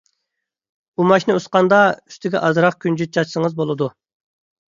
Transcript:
ئۇماچنى ئۇسقاندا، ئۈستىگە ئازراق كۈنجۈت چاچسىڭىز بولىدۇ.